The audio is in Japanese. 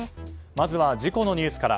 まずは、事故のニュースから。